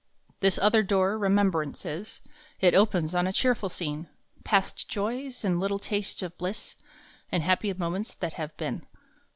This other door " Remembrance " is. It opens on a cheerful scene Past joys, and little tastes of bliss, And happy moments that have been.